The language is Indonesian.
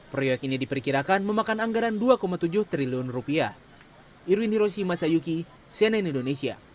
proyek ini diperkirakan memakan anggaran rp dua tujuh triliun